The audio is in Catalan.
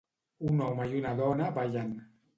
Un home i la dona ballen.